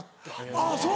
あぁそう。